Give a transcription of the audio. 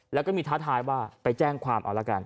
แล้วก็มีท้าทายว่าไปแจ้งความเอาละกัน